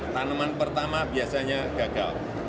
tanaman pertama biasanya gagal